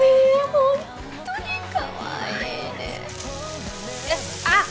ホントにかわいいねえっあっ